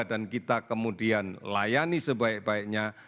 dan kita kemudian layani sebaik baiknya